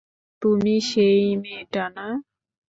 তুমি সেই মেয়েটা না?